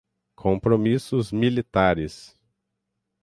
compromissos militares